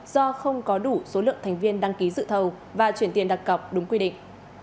do không có đủ số lượng thành viên đăng ký dự thầu và chuyển tiền đặc cọc đúng quy định